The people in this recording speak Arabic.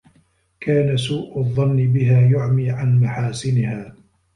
كَانَ سُوءُ الظَّنِّ بِهَا يُعْمِي عَنْ مَحَاسِنِهَا